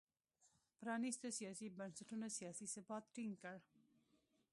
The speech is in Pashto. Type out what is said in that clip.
پرانیستو سیاسي بنسټونو سیاسي ثبات ټینګ کړ.